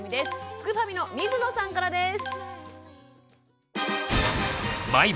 すくファミの水野さんからです。